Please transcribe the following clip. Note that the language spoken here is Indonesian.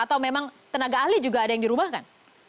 atau memang tenaga ahli juga ada yang dirumahkan